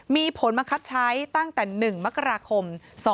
มีผลบังคับใช้ตั้งแต่๑มกราคม๒๕๖